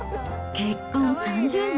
結婚３０年。